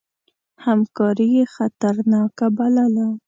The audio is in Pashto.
همکاري یې خطرناکه بلله.